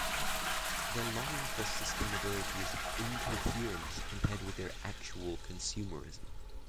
Their longing for sustainability is incoherent compared with their actual consumerism.